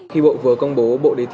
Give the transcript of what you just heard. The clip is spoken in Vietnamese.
khi bộ vừa công bố